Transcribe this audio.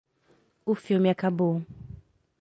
O filme acabou